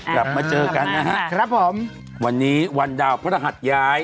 กลับมาเจอกันนะฮะครับผมวันนี้วันดาวพระรหัสย้าย